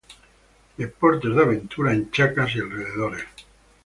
Deportes de aventura en Chacas y alrededores.